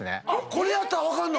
これやったら分かんの？